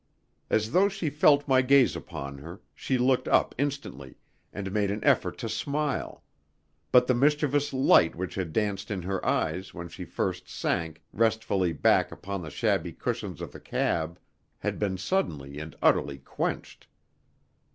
As though she felt my gaze upon her, she looked up instantly, and made an effort to smile; but the mischievous light which had danced in her eyes when she first sank restfully back upon the shabby cushions of the cab had been suddenly and utterly quenched.